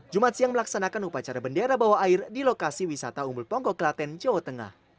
jumat siang melaksanakan upacara bendera bawah air di lokasi wisata umbul ponggo klaten jawa tengah